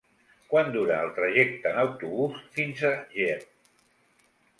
Quant dura el trajecte en autobús fins a Ger?